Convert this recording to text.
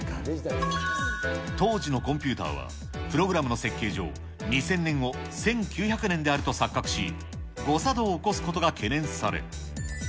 当時のコンピュータは、プログラムの設計上、２０００年を１９００年であると錯覚し、誤作動を起こすことが懸念され。